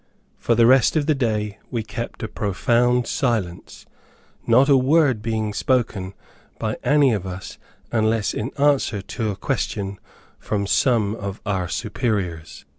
For the rest of the day we kept a profound silence, not a word being spoken by any of us unless in answer to a question from some of our superiors.